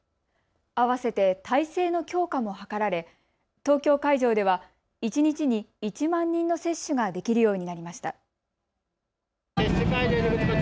あわせて体制の強化も図られ東京会場では一日に１万人の接種ができるようになりました。